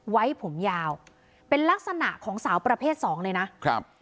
ไว้ผมยาวเป็นลักษณะของสาวประเภทสองเลยนะครับ